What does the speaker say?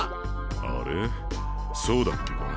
あれそうだっけか。